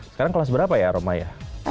sekarang kelas berapa ya roma ya